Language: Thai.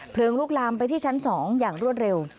เพลิงลูกลามไปที่ชั้นสองอย่างรวดเร็ว